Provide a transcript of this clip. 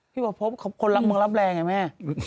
พี่บาปพพมึงรับแลไงแม่